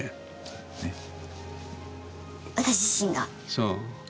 そう。